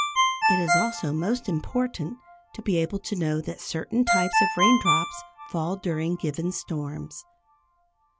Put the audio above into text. It is also most important to be able to know that certain types of raindrops fall during given storms.